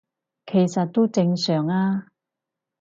其實都正常吖